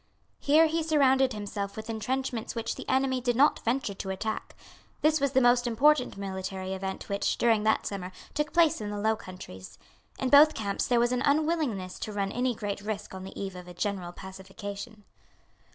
Here he surrounded himself with entrenchments which the enemy did not venture to attack. This was the most important military event which, during that summer, took place in the Low Countries. In both camps there was an unwillingness to run any great risk on the eve of a general pacification.